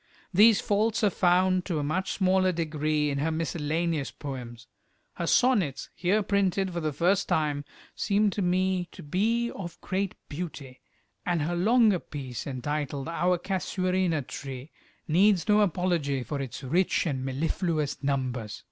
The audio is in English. These faults are found to a much smaller degree in her miscellaneous poems. Her sonnets, here printed for the first time, seem to me to be of great beauty, and her longer piece entitled "Our Casuarina Tree," needs no apology for its rich and mellifluous numbers.